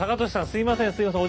すいませんすいません。